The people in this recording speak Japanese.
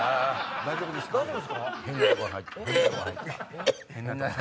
大丈夫ですか？